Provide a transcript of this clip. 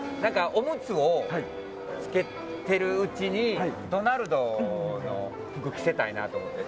おむつをつけてるうちにドナルドの服を着せたいなと思って。